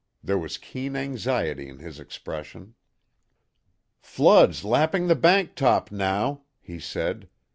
There was keen anxiety in his expression. "Flood's lapping the bank top now," he said.